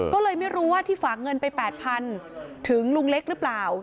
ก็เลยไม่รู้ว่าที่ฝากเงินไป๘๐๐๐ถึงลุงเล็กหรือเปล่า